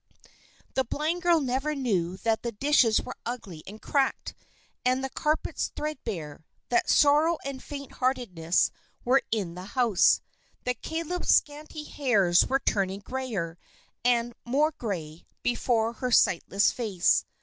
The blind girl never knew that the dishes were ugly and cracked, and the carpets threadbare; that sorrow and faint heartedness were in the house; that Caleb's scanty hairs were turning grayer, and more gray, before her sightless face.